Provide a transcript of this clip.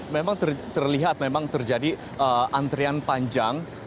memang terlihat memang terjadi antrian panjang